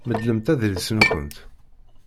Medlemt adlis-nkent.